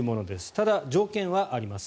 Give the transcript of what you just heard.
ただ、条件はあります。